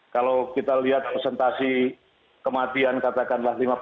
kalau kita lihat presentasi kematian katakanlah